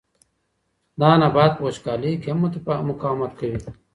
دا نبات په وچکالۍ کې هم مقاومت کوي.